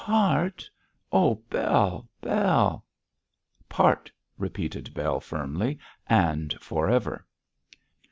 'Part? Oh, Bell! Bell!' 'Part,' repeated Bell, firmly, 'and for ever.'